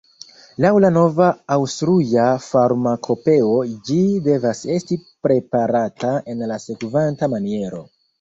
Laŭ la nova Aŭstruja farmakopeo ĝi devas esti preparata en la sekvanta maniero